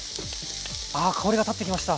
あ香りが立ってきました。